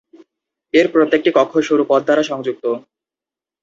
এর প্রত্যেকটি কক্ষ সরু পথ দ্বারা সংযুক্ত।